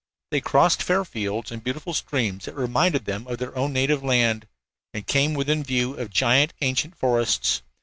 They crossed fair fields and beautiful streams that reminded them of their own native land, and came within view of giant ancient forests.